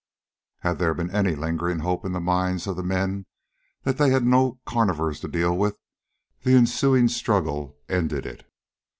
Had there been any lingering hope in the minds of the men that they had no carnivores to deal with, the ensuing struggle ended it.